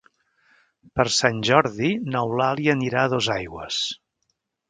Per Sant Jordi n'Eulàlia anirà a Dosaigües.